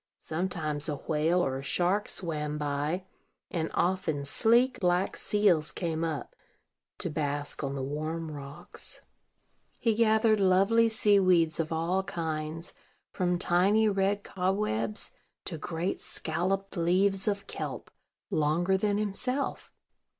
Sometimes a whale or a shark swam by, and often sleek black seals came up to bask on the warm rocks. He gathered lovely sea weeds of all kinds, from tiny red cobwebs to great scalloped leaves of kelp, longer than himself.